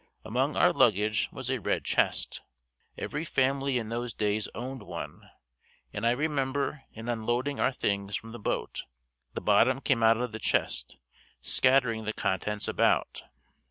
Among our luggage was a red chest. Every family in those days owned one, and I remember in unloading our things from the boat, the bottom came out of the chest scattering the contents about.